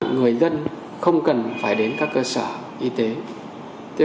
người dân không cần phải đến các cơ sở y tế